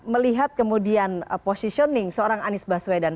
melihat kemudian positioning seorang anies baswedan